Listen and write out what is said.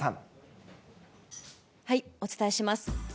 お伝えします。